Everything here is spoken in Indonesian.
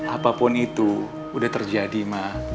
apapun itu udah terjadi mah